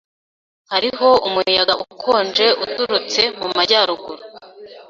Hariho umuyaga ukonje uturutse mu majyaruguru.